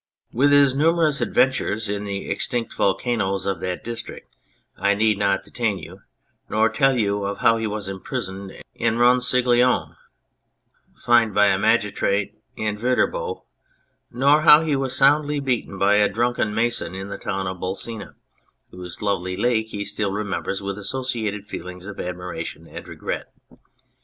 With his numerous adventures in the extinct vol canoes of that district I need not detain you, nor tell you of how he was imprisoned in Ronciglione, fined by a magistrate in Viterbo, nor how he was soundly beaten by a drunken mason in the town of Bolsena, whose lovely lake he still remembers with associated feelings of admiration and regret.